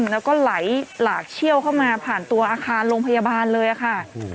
แล้วก็ไหลหลากเชี่ยวเข้ามาผ่านตัวอาคารโรงพยาบาลเลยค่ะ